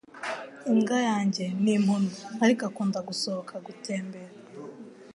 Imbwa yanjye ni impumyi, ariko akunda gusohoka gutembera.